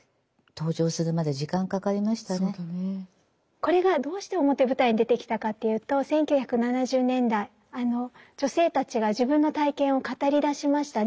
これがどうして表舞台に出てきたかというと１９７０年代女性たちが自分の体験を語りだしましたね。